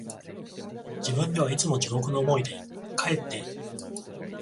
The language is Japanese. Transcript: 自分ではいつも地獄の思いで、かえって、